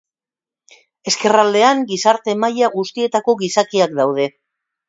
Ezkerraldean, gizarte maila guztietako gizakiak daude.